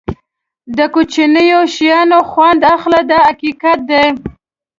د کوچنیو شیانو خوند اخله دا حقیقت دی.